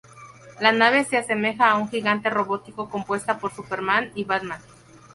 La nave se asemeja a un gigante robótico compuesta por Superman y Batman.